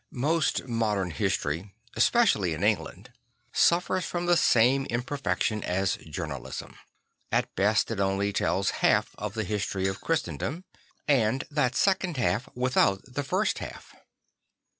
Iost modern history, especially in England, suffers from the same imperfection as journalism. At best it only tells half of the history of Christen dom; and that the second half without the first 20 St. Francis of Assisi half.